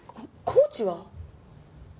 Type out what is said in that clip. コーチは？